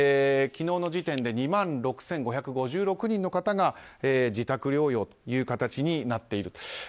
昨日の時点で２万６５５６人の方が自宅療養という形になっている。